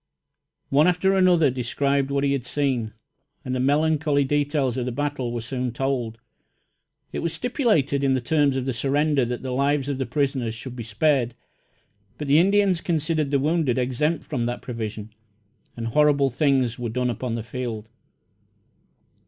One after another described what he had seen, and the melancholy details of the battle were soon told. It was stipulated in the terms of the surrender that the lives of the prisoners should be spared; but the Indians considered the wounded exempt from that provision, and horrible things were done upon the field.